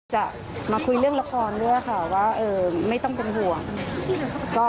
จะมาคุยเรื่องละครด้วยค่ะว่าไม่ต้องเป็นห่วง